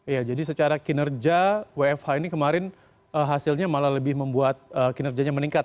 ya jadi secara kinerja wfh ini kemarin hasilnya malah lebih membuat kinerjanya meningkat